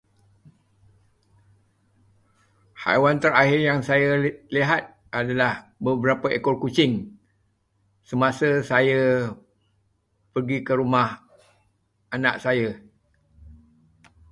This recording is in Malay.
Haiwan terakhir yang saya lihat adalah beberapa ekor kucing semasa saya pergi ke rumah anak saya.